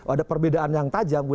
ada perbedaan yang tajam